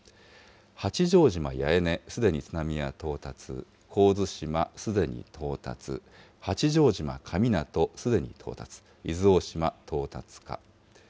八丈島八重根、すでに津波は到達、神津島、すでに到達、八丈島神湊、すでに到達、伊豆大島、到達か。